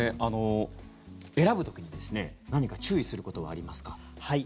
選ぶ時に何か注意することはありますか？